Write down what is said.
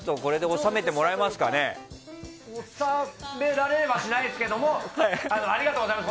収められはしないですけれどもありがとうございます。